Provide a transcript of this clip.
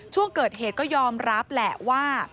ช่วงเกิดเหตุก็ยอมรับแหละว่า